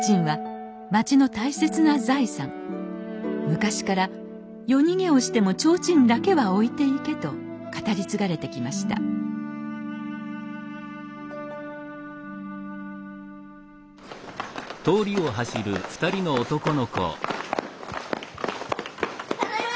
昔から「夜逃げをしても提灯だけは置いていけ」と語り継がれてきましたただいま！